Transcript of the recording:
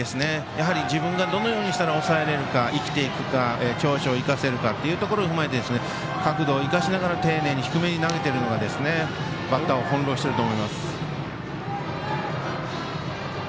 やはり自分がどのようにしたら抑えられるか長所を生かせるかというところを踏まえて角度を生かしながら低めに丁寧に投げているのがバッターを翻弄してると思います。